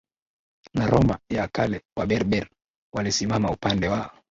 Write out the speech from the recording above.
na Roma ya Kale Waberber walisimama upande wa